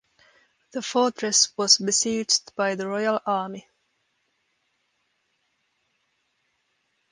The fortress was besieged by the royal army.